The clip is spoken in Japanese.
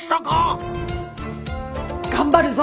頑張るぞ！